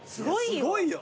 すごいよ。